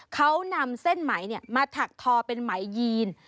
เขานำเส้นไหมมาถักทอเป็นไหมยีน